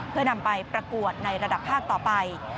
เพื่อนำไปประกวดในระดับภาคต่อไป